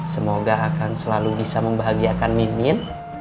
semoga akan selalu bisa membahagiakan mimin